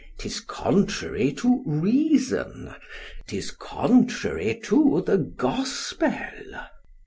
_ ——'Tis contrary to reason. ——'Tis contrary to the GOSPEL.